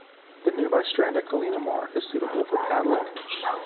The nearby strand at Culleenamore is suitable for paddling.